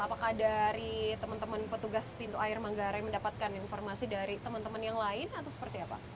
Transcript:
apakah dari teman teman petugas pintu air manggarai mendapatkan informasi dari teman teman yang lain atau seperti apa